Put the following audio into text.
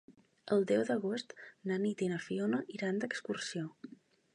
El deu d'agost na Nit i na Fiona iran d'excursió.